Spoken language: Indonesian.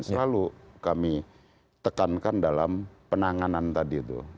selalu kami tekankan dalam penanganan tadi itu